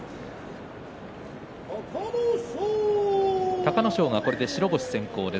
隆の勝、これで白星先行です。